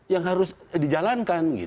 yang harus dijalankan